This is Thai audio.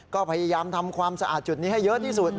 ก็พยายามทำความสะอาดจุดนี้ให้เยอะที่สุด